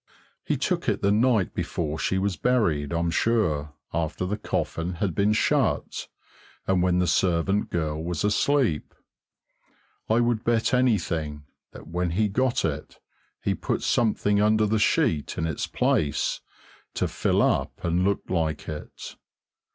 He took it the night before she was buried, I'm sure, after the coffin had been shut, and when the servant girl was asleep. I would bet anything, that when he'd got it, he put something under the sheet in its place, to fill up and look like it.